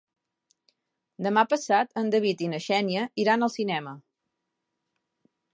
Demà passat en David i na Xènia iran al cinema.